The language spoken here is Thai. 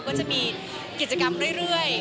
ก็จะมีกิจกรรมเรื่อย